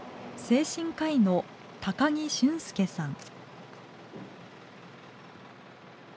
精神科医の高木俊介さん。